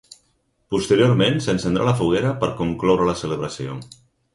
Posteriorment s’encendrà la foguera per concloure la celebració.